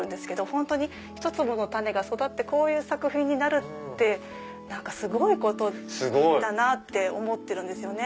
本当にひと粒の種が育ってこういう作品になるってすごいことだなって思ってるんですよね。